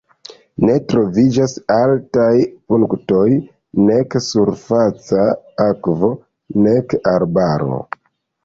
Ne troviĝas altaj punktoj, nek surfaca akvo, nek arbaro.